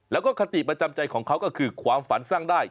แล้วก็คติประจำใจของเขาก็คือความฝันสร้างได้